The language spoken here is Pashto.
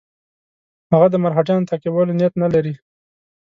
هغه د مرهټیانو تعقیبولو نیت نه لري.